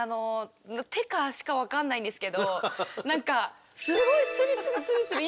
手か足か分かんないんですけど何かすごいスリスリスリスリ